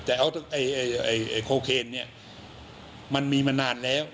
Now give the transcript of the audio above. แต่โคเคนมันมีมานานแล้ว